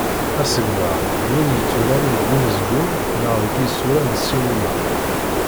Asegbar d win yetturaren deg umezgun neɣ deg isura n ssinima.